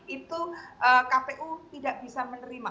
itu kpu tidak bisa menerima